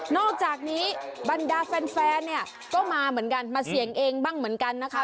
อกจากนี้บรรดาแฟนเนี่ยก็มาเหมือนกันมาเสี่ยงเองบ้างเหมือนกันนะคะ